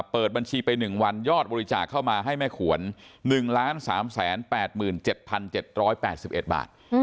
เปิดบัญชีไป๑วันยอดบริจาคเข้ามาให้แม่ขวน๑๓๘๗๗๘๑บาท